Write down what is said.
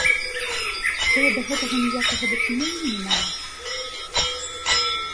Што я да гэтага ніякага дачынення не маю?